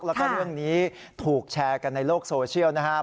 แล้วก็เรื่องนี้ถูกแชร์กันในโลกโซเชียลนะครับ